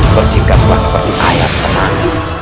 bersikaplah seperti ayat tenang